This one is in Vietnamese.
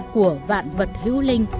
của vạn vật hữu linh